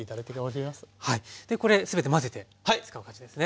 でこれすべて混ぜて使う感じですね。